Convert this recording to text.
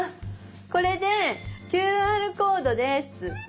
これで「ＱＲコード」です。